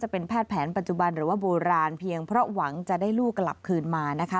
ปัจจุบันหรือว่าโบราณเพียงเพราะหวังจะได้ลูกกลับคืนมานะคะ